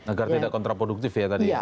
agar tidak kontraproduktif ya tadi